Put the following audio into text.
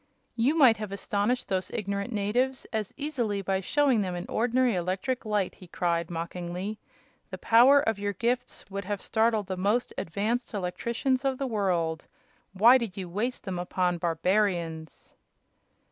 "You might have astonished those ignorant natives as easily by showing them an ordinary electric light," he cried, mockingly. "The power of your gifts would have startled the most advanced electricians of the world. Why did you waste them upon barbarians?"